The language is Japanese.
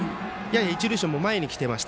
一塁手は前に来てました。